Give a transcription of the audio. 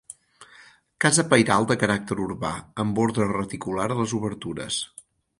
Casa pairal de caràcter urbà, amb ordre reticular a les obertures.